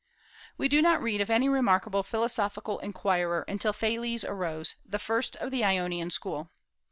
We do not read of any remarkable philosophical inquirer until Thales arose, the first of the Ionian school.